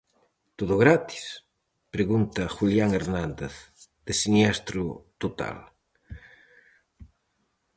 "Todo gratis?", pregunta Julián Hernández, de Siniestro total.